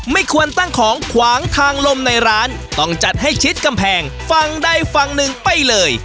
ไม่ควรตั้งของขวางทางลมในร้านต้องจัดให้ชิดกำแพงฝั่งใดฝั่งหนึ่งไปเลย